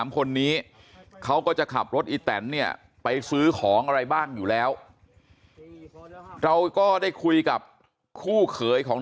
คนนี้เขาก็จะขับรถอีแตนเนี่ยไปซื้อของอะไรบ้างอยู่แล้วเราก็ได้คุยกับคู่เขยของ